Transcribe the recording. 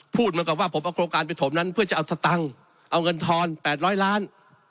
พูดเหมือนกับว่าผมเอาโครงการไปถมนั้นเพื่อจะเอาสตังค์เอาเงินทอน๘๐๐ล้าน